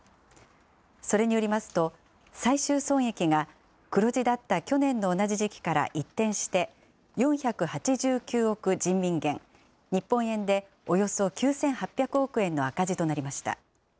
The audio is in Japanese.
それによりますと、最終損益が黒字だった去年の同じ時期から一転して、４８９億人民元、日本円でおよそ９８００億円の赤字となりました。